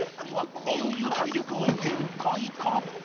いよいよ体力も限界か？